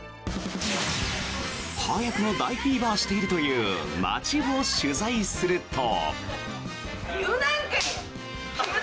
早くも大フィーバーしているという街を取材すると。